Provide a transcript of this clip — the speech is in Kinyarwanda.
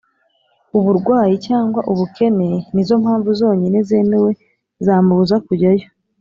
uburwayi cyangwa ubukene ni zo mpamvu zonyine zemewe zamubuza kujyayo